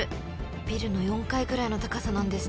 ［ビルの４階ぐらいの高さなんですって］